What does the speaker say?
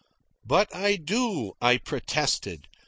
"But I do," I protested.